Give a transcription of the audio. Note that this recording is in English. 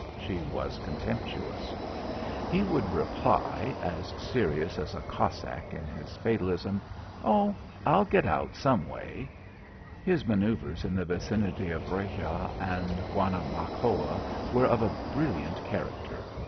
She was contemptuous. He would reply, as serious as a Cossack in his fatalism. "Oh, I'll get out some way." His manoeuvres in the vicinity of Regla and Guanabacoa were of a brilliant character.